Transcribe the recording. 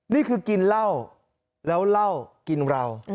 นี่คือกินเหล้าแล้วเหล้ากินเรา